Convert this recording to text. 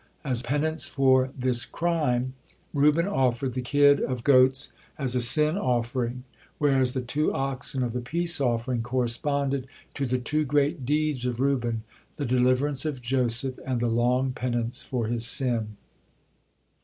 As penance for this crime, Reuben offered the kid of goats as a sin offering, whereas the two oxen of the peace offering corresponded to the two great deeds of Reuben, the deliverance of Joseph, and the long penance for his sin.